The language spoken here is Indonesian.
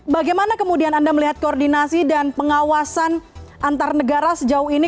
bagaimana kemudian anda melihat koordinasi dan pengawasan antar negara sejauh ini